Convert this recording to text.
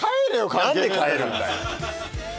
何で帰るんだよ。